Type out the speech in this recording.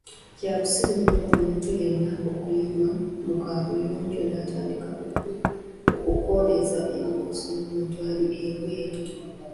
Kya busiru nnyo omuntu yenna okuyima mu kabuyonjo natandika okukoleeza emboozi n‘omuntu ali ebweru.